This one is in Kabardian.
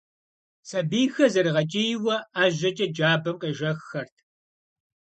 Сэбийхэр зэрыгъэкӏийуэ ӏэжьэкӏэ джабэм къежэххэрт.